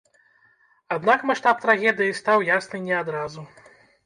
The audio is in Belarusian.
Аднак маштаб трагедыі стаў ясны не адразу.